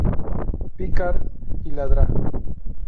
Picard y la dra.